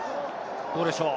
どうでしょう？